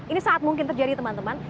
ini saat mungkin terjadi teman teman